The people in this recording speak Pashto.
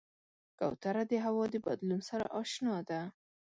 کوتره د هوا د بدلون سره اشنا ده.